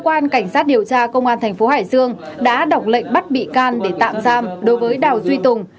cơ quan cảnh sát điều tra công an thành phố hải dương đã đọc lệnh bắt bị can để tạm giam đối với đào duy tùng